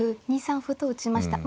２三歩と打ちました。